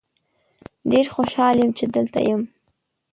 ډیر خوشحال یم چې دلته یم.